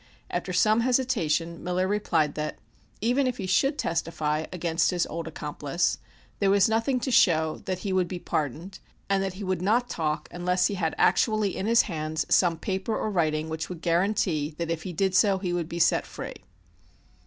After some hesitation Miller replied that, even if he should testify against his old accomplice, there was nothing to show that he would be pardoned, and that he would not talk unless he had actually in his hands some paper or writing which would guarantee that if he did so he would be set free.